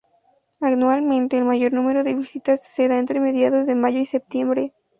Anualmente, el mayor número de visitas se da entre mediados de mayo y septiembre.